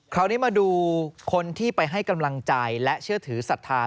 คราวนี้มาดูคนที่ไปให้กำลังใจและเชื่อถือศรัทธา